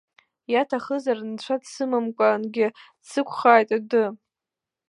Иаҭахызар нцәа дсымамкәангьы сықәхааит адәы.